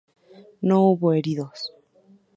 No hubo heridos..